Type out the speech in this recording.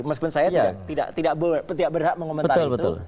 meskipun saya tidak berhak mengomentari itu